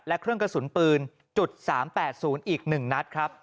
และเครื่องกระสุนปืน๓๘๐อีก๑นัดครับ